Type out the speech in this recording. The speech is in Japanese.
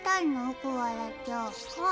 コアラちゃん。